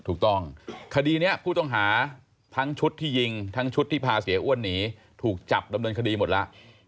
ถูกต้องคดีนี้ผู้ต้องหาทั้งชุดที่ยิงทั้งชุดที่พาเสียอ้วนหนีถูกจับดำเนินคดีหมดแล้ว